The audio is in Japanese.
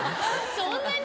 そんなに？